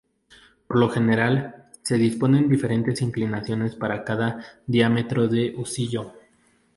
Por lo general, se disponen diferentes inclinaciones para cada diámetro de husillo.